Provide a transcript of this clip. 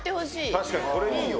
確かに、これいいよ。